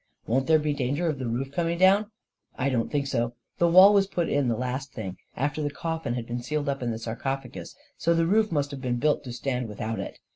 "Won't there be danger of the roof coming down?" 44 1 don't think so. The wall was put in the last thing, after the coffin had been sealed up in the sarcophagus, so the roof must have been built to stand without it.